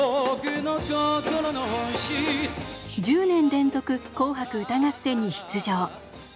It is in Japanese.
１０年連続「紅白歌合戦」に出場。